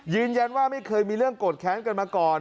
ยืนยันว่าไม่เคยมีเรื่องกดแค้นกันมาก่อน